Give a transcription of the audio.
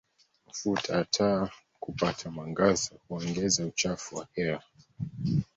mafuta ya taa kupata mwangaza huongeza uchafuzi wa hewa